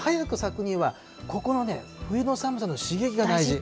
早く咲くには、ここの冬の寒さの刺激が大事。